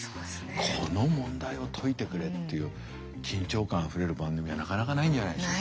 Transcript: この問題を解いてくれっていう緊張感あふれる番組はなかなかないんじゃないでしょうか。